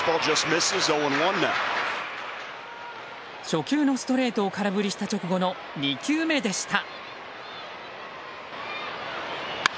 初球のストレートを空振りした直後の２球目でした。